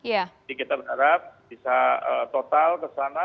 jadi kita berharap bisa total kesana